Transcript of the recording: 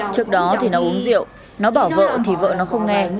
trước đó thì nó uống rượu nó bảo vợ thì vợ nó không nghe